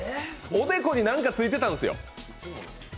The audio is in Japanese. おでこに何かついてたんですよ？